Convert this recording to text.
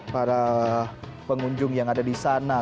para pengunjung yang ada di sana